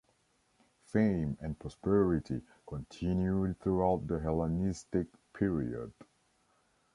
Fame and prosperity continued throughout the Hellenistic period.